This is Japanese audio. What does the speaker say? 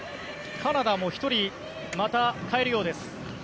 カナダも１人また代えるようです。